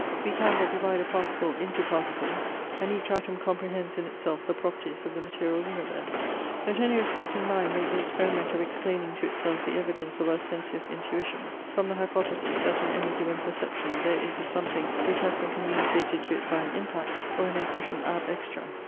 We can but divide a particle into particles; and each atom comprehends in itself the properties of the material universe. Let any reflecting mind make the experiment of explaining to itself the evidence of our sensuous intuitions, from the hypothesis that in any given perception there is a something which has been communicated to it by an impact, or an impression ab extra.